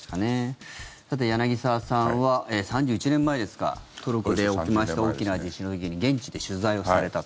さて、柳澤さんは３１年前ですかトルコで起きました大きな地震の時に現地で取材をされたと。